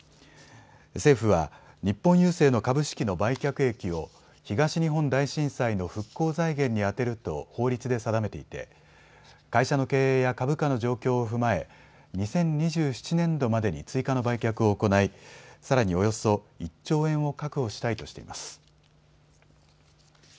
政府は日本郵政の株式の売却益を東日本大震災の復興財源に充てると法律で定めていて会社の経営や株価の状況を踏まえ２０２７年度までに追加の売却を行いさらにおよそ１兆円を確保したいとしています。